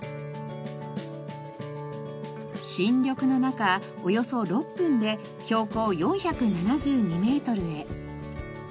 新緑の中およそ６分で標高４７２メートルへ。